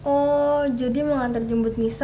oh jadi mengantar jemput nisa